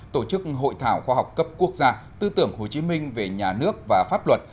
tổ chức hội thảo khoa học cấp quốc gia tư tưởng hồ chí minh về nhà nước và pháp luật